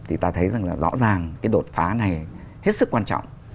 thì ta thấy rằng là rõ ràng cái đột phá này hết sức quan trọng